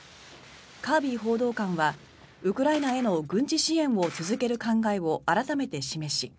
カービー報道官はウクライナへの軍事支援を続ける考えを改めて示し